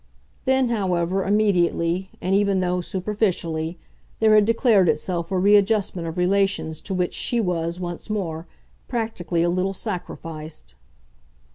Then, however, immediately, and even though superficially, there had declared itself a readjustment of relations to which she was, once more, practically a little sacrificed.